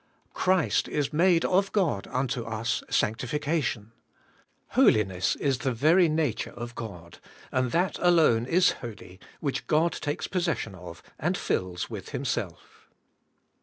Christ is made of God unto us sanctification. Holiness is the very nature of God, and that alone is holy which God takes possession of and fills loith Him self.